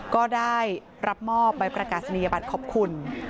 ก็ได้รับมอบใบประกาศนียบัตรขอบคุณ